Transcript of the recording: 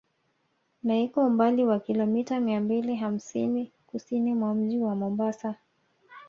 Na iko umbali wa Kilometa mia mbili hamsini Kusini mwa Mji wa Mombasa